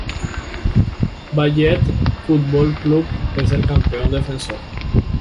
Valletta Football Club es el campeón defensor.